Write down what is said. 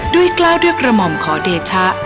กล้าวด้วยกระหม่อมขอเดชะ